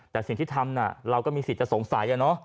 แต่สิ่งที่ทำน่ะเราก็มีสิทธิ์จะสงสัยอ่ะเนอะ